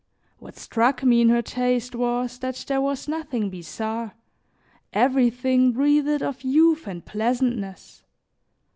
What struck me in her taste was, that there was nothing bizarre, everything breathed of youth and pleasantness.